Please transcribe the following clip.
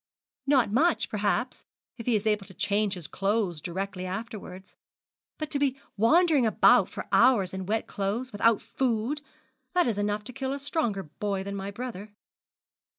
'Not much, perhaps, if he is able to change his clothes directly afterwards. But to be wandering about for hours in wet clothes, without food, that is enough to kill a stronger boy than my brother.'